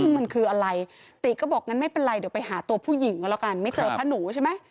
มันคืออะไรติก็บอกงั้นไม่เป็นไรเดี๋ยวไปหาตัวผู้หญิงก็แล้วกันไม่เจอพระหนูใช่ไหม